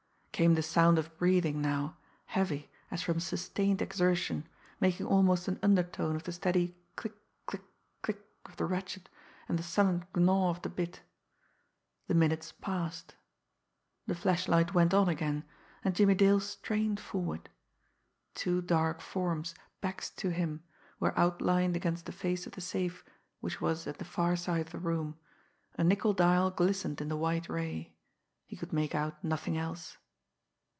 Came the sound of breathing now, heavy, as from sustained exertion, making almost an undertone of the steady click click click of the ratchet, and the sullen gnaw of the bit. The minutes passed. The flashlight went on again and Jimmie Dale strained forward. Two dark forms, backs to him, were outlined against the face of the safe which was at the far side of the room, a nickel dial glistened in the white ray he could make out nothing else.